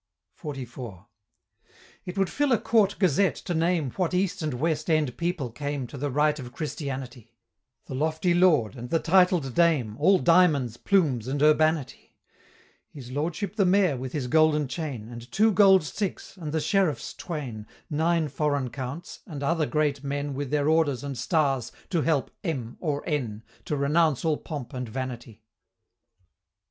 XLIV. It would fill a Court Gazette to name What East and West End people came To the rite of Christianity: The lofty Lord, and the titled Dame, All di'monds, plumes, and urbanity: His Lordship the May'r with his golden chain, And two Gold Sticks, and the Sheriffs twain, Nine foreign Counts, and other great men With their orders and stars, to help "M. or N." To renounce all pomp and vanity.